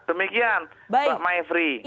demikian pak maifri